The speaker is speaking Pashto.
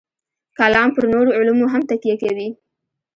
کلام پر نورو علومو هم تکیه کوي.